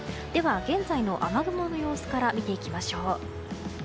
現在の雨雲の様子から見ていきましょう。